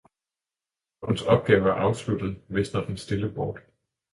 Når dens opgave er afsluttet, visner den stille bort.